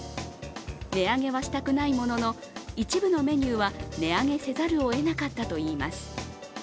値上げはしたくないものの、一部のメニューは値上げせざるをえなかったといいます。